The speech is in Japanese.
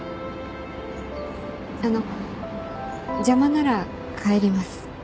あの邪魔なら帰ります。